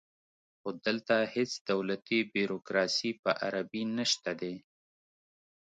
خو دلته هیڅ دولتي بیروکراسي په عربي نشته دی